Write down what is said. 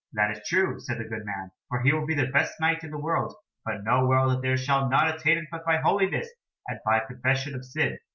"That is true," said the good man, "for he will be the best Knight in the world, but know well that there shall none attain it but by holiness and by confession of sin."